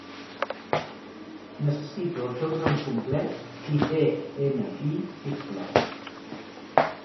Necessito el teu nom complet i de-ena-i, si us plau.